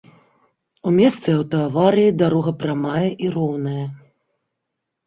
У месцы аўтааварыі дарога прамая і роўная.